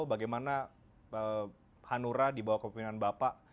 bagaimana hanura di bawah kepemimpinan bapak